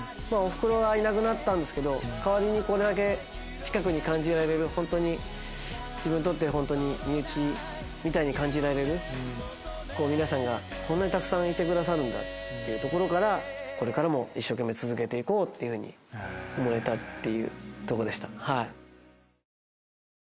お袋はいなくなったんですけど代わりにこれだけ近くに感じられる自分にとってホントに身内みたいに感じられる皆さんがこんなにたくさんいてくださるっていうところからこれからも一生懸命続けて行こうっていうふうに思えたっていうとこでしたはい。